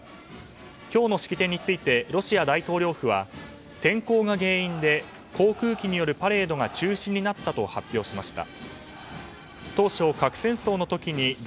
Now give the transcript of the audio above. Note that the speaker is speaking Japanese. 今日の式典についてロシア大統領府は天候が原因で航空機によるパレードが中止になったと発表しました。